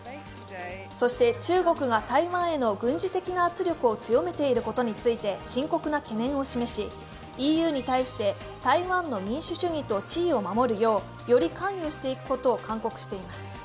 そして、中国が台湾への軍事的な圧力を強めていることについて深刻な懸念を示しＥＵに対して台湾の民主主義と地位を守るようより関与していくことを勧告しています。